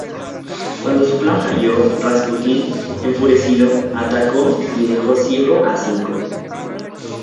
Cuando su plan falló, Rasputín enfurecido, atacó y dejó ciego a Zinco.